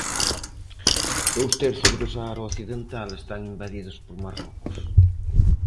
Dous terzos do Sáhara Occidental están invadidos por Marrocos.